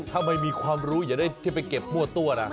ถ้าไม่มีความรู้อย่าได้ที่ไปเก็บมั่วตัวนะ